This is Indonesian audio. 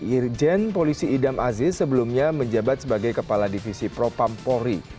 irjen polisi idam aziz sebelumnya menjabat sebagai kepala divisi propampori